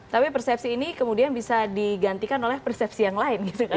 tapi persepsi ini kemudian bisa digantikan oleh persepsi yang lain gitu kan